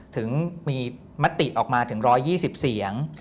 ถึงมีมติออกมาถึง๑๒๐เสียง